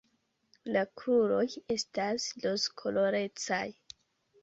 La kruroj estas rozkolorecaj.